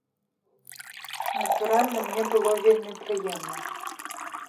Натуральна, мне было вельмі прыемна.